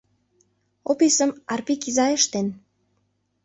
Описым Арпик изай ыштен.